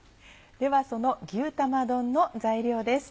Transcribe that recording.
ではその牛玉丼の材料です。